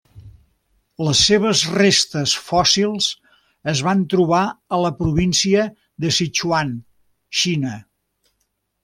Les seves restes fòssils es van trobar a la província de Sichuan, Xina.